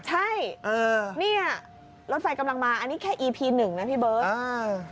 ใช่เนี่ยรถไฟกำลังมาอันนี้แค่อีพีหนึ่งนะพี่เบิร์ตอ่า